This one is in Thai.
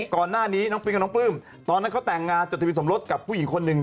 ก่อนหน้านี้น้องปิ๊งกับน้องปลื้มตอนนั้นเขาแต่งงานจดทะเบียสมรสกับผู้หญิงคนหนึ่ง